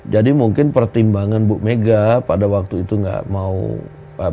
jadi mungkin pertimbangan bu mega pada waktu itu belum mau bertemu